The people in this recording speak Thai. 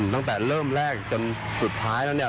ตั้งแต่เริ่มแรกจนสุดท้ายแล้วเนี่ย